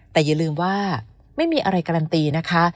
แต่อย่าลืมว่าไม่มีอะไรการันตีนะคะ